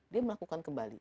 dia melakukan kembali